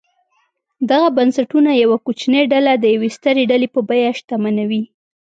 دغه بنسټونه یوه کوچنۍ ډله د یوې سترې ډلې په بیه شتمنوي.